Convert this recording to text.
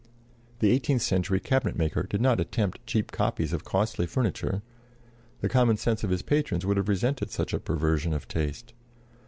The eighteenth century cabinet maker did not attempt cheap copies of costly furniture; the common sense of his patrons would have resented such a perversion of taste.